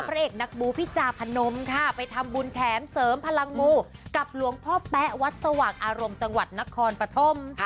พระเอกนักบูพี่จาพนมค่ะไปทำบุญแถมเสริมพลังมูกับหลวงพ่อแป๊ะวัดสว่างอารมณ์จังหวัดนครปฐม